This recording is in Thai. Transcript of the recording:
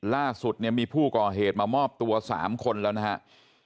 ล่าสุดเนี่ยมีผู้ก่อเหตุมามอบตัว๓คนแล้วนะครับ